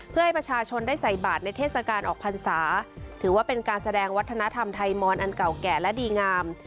เพื่อให้ประชาชนได้ใส่บาทในเทศกาลออกพรรษาถือว่าเป็นการแสดงวัฒนธรรมไทยมอนอันเก่าแก่และดีงาม